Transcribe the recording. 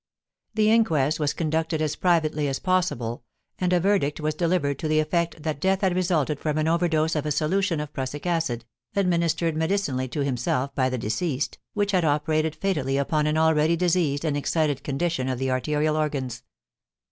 The inquest was conducted as privately as possible, and a verdict was delivered to the effect that death had resulted from an overdose of a solution of prussic acid, administered medicinally to himself by the deceased, which had operated fatally upon an already diseased and excited condition of the arterial organs.